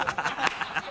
ハハハ